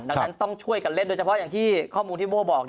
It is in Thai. ดังนั้นต้องช่วยกันเล่นโดยเฉพาะอย่างที่ข้อมูลที่โบ้บอก